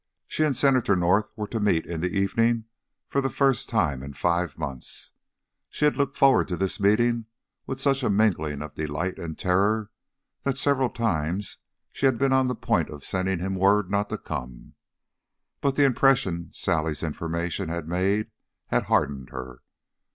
She and Senator North were to meet in the evening for the first time in five months. She had looked forward to this meeting with such a mingling of delight and terror that several times she had been on the point of sending him word not to come. But the impression Sally's information had made had hardened her.